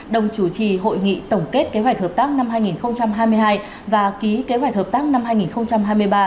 đồng chủ trì hội nghị tổng kết kế hoạch hợp tác năm hai nghìn hai mươi hai và ký kế hoạch hợp tác năm hai nghìn hai mươi ba